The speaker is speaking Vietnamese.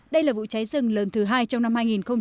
đây là vụ cháy rừng lớn thứ hai trong năm hai nghìn một mươi chín